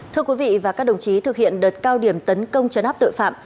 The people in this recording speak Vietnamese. thưa quý vị và các đồng chí thực hiện đợt cao điểm tấn công chấn áp tội phạm